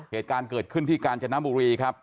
เหตุการณ์เกิดขึ้นที่กาญจนบุรีครับ